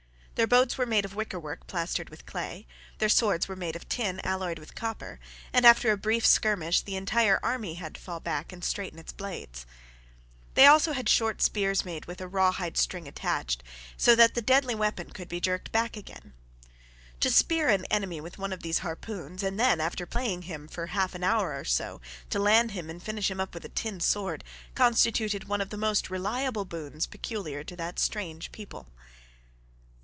Their boats were made of wicker work plastered with clay. Their swords were made of tin alloyed with copper, and after a brief skirmish, the entire army had to fall back and straighten its blades. They also had short spears made with a rawhide string attached, so that the deadly weapon could be jerked back again. To spear an enemy with one of these harpoons, and then, after playing him for half an hour or so, to land him and finish him up with a tin sword, constituted one of the most reliable boons peculiar to that strange people.